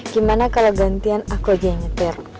gimana kalo gantian aku aja yang nyetir